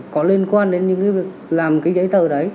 có liên quan đến những cái việc làm cái giấy tờ đấy